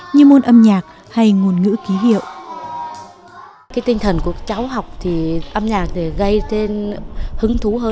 như môn âm nhạc hay ngôn ngữ ký hiệu